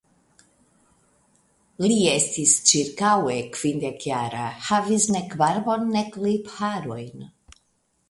Li estis ĉirkaŭe kvindekjara, havis nek barbon nek lipharojn.